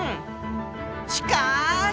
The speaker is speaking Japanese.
しかし！